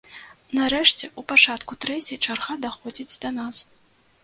Нарэшце ў пачатку трэцяй чарга даходзіць да нас.